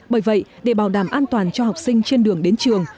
bởi vậy để bảo đảm an toàn cho học sinh trên đường đến trường